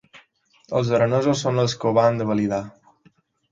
Els aranesos són els que ho han de validar